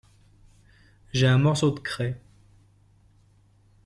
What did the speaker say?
J’ai un morceau de craie.